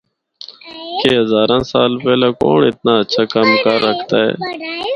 کہ ہزاراں سال پہلا کونڑ اتنا ہچھا کم کر ہکدا ہے۔